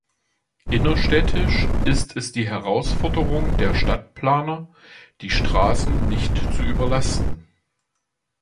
Innerstädtisch ist es die Herausforderung der Stadtplaner, die Straßen nicht zu überlasten.